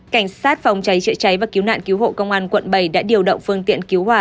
cảnh sát phòng cháy chữa cháy và cứu nạn cứu hộ công an quận bảy đã điều động phương tiện cứu hỏa